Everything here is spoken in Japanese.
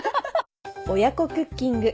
親子クッキング